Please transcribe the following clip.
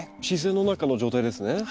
自然の中の状態ですね。